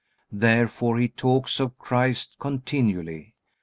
Therefore he talks of Christ continually.